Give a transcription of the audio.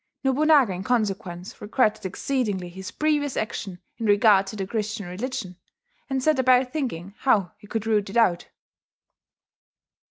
Nobunaga in consequence regretted exceedingly his previous action in regard to the Christian religion, and set about thinking how he could root it out."